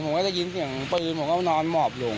ก็จะได้ยินเสียงปืนผมก็นอนหมอบลง